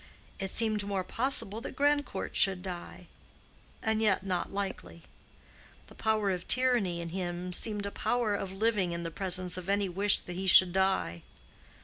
It seemed more possible that Grandcourt should die:—and yet not likely. The power of tyranny in him seemed a power of living in the presence of any wish that he should die.